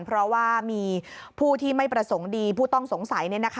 เพราะว่ามีผู้ที่ไม่ประสงค์ดีผู้ต้องสงสัย